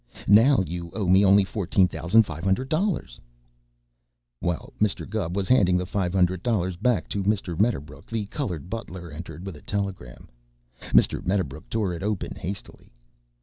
Now you owe me only fourteen thousand five hundred dollars." While Mr. Gubb was handing the five hundred dollars back to Mr. Medderbrook the colored butler entered with a telegram. Mr. Medderbrook tore it open hastily.